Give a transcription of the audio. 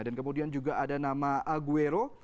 dan kemudian juga ada nama aguero